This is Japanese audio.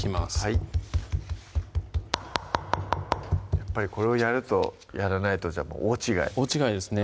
やっぱりこれをやるとやらないとじゃ大違い大違いですね